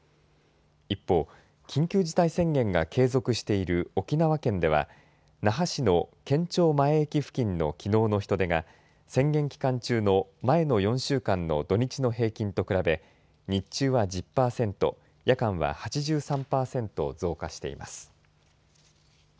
一方、緊急事態宣言が継続している沖縄県では那覇市の県庁前駅付近のきのうの人出が宣言期間中の前の４週間の土日の平均と比べ日中は１０％、夜間は８３％増加しています。